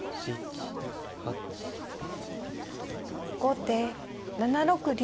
後手７六竜。